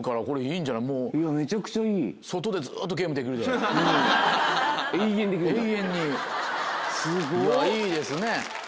いいですね。